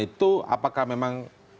itu apakah memang